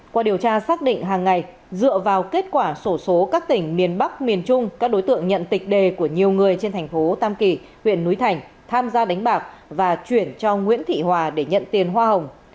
qua điều tra xác định hàng ngày dựa vào kết quả sổ số các tỉnh miền bắc miền trung các đối tượng nhận tịch đề của nhiều người trên thành phố tam kỳ huyện núi thành tham gia đánh bạc và chuyển cho nguyễn thị hòa để nhận tiền hoa hồng